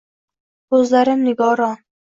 Ko’zlarim nigoron